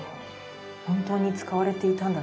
本当に使われていたんだな。